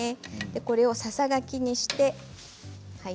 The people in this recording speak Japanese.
これをささがきにして。